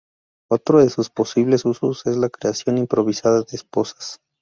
Otro de sus posibles usos es la creación improvisada de esposas.